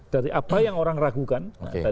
dari apa yang orang ragukan